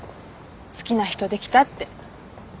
好きな人できたって。